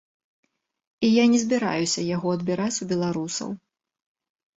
І я не збіраюся яго адбіраць у беларусаў.